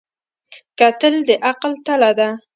کتل د عقل تله ده